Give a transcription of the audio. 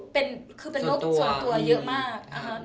เป็นรถส่วนตัวเยอะมาก